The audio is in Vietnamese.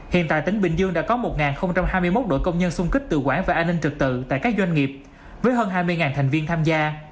hiện tại tỉnh bình dương đã có một hai mươi một đội công nhân xung kích tự quản và an ninh trực tự tại các doanh nghiệp với hơn hai mươi thành viên tham gia